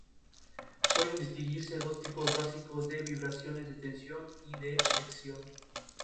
Pueden distinguirse dos tipos básicos de vibraciones: de tensión y de flexión.